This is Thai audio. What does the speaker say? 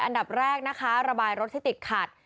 อันดับแรกนะคะระบายรถที่ติดขัด